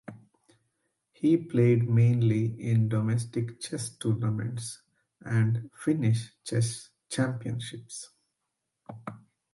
He played mainly in domestic chess tournaments and Finnish Chess Championships.